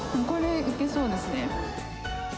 これはいけそうですね。